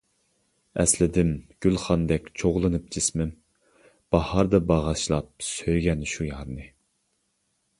ئەسلىدىم، گۈلخاندەك چوغلىنىپ جىسمىم، باھاردا باغاشلاپ سۆيگەن شۇ يارنى.